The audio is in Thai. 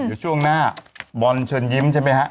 เดี๋ยวช่วงหน้าบอลเชิญยิ้มใช่ไหมฮะ